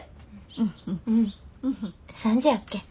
うん３時やっけ。